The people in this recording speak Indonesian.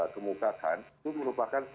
kemukakan itu merupakan